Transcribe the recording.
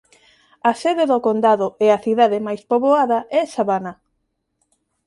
A sede do condado e a cidade máis poboada é Savannah.